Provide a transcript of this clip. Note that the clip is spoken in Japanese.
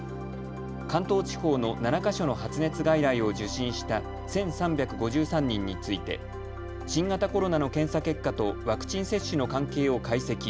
関東地方の７か所の発熱外来を受診した１３５３人について新型コロナの検査結果とワクチン接種の関係を解析。